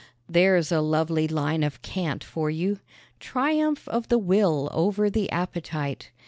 There's a lovely line of cant for you! Triumph of the will over the appetite.